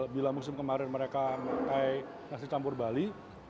bila musim kemarin mereka memakai nasi campur bali